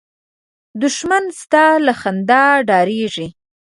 دښمن ستا له خندا ډارېږي